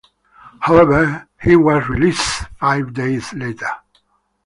However, he was released five days later.